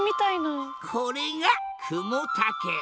これがクモタケ。